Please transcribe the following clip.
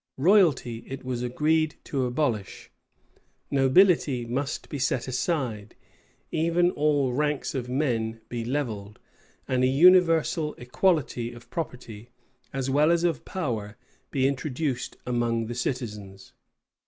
Royalty it was agreed to abolish: nobility must be set aside: even all ranks of men be levelled; and a universal equality of property, as well as of power, be introduced among the citizens.